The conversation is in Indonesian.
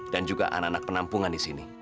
dan juga anak anak penampungan disini